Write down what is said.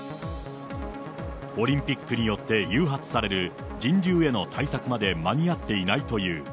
オリンピックによって誘発される人流への対策まで間に合っていないという。